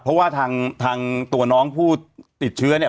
เพราะว่าทางตัวน้องผู้ติดเชื้อเนี่ย